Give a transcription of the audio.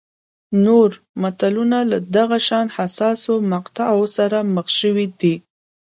نور ملتونه له دغه شان حساسو مقطعو سره مخ شوي.